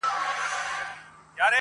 • لا اوس هم نه يې تر ځايه رسېدلى -